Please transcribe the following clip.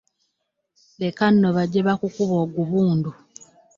Leka nno bajje bakukube ogubundu.